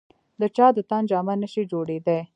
د چا د تن جامه نه شي جوړېدای.